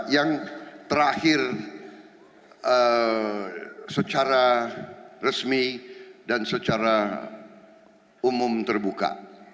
yang terakhir secara resmi dan secara umum terbuka